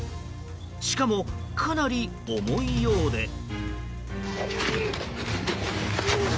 しかも、かなり重いようで。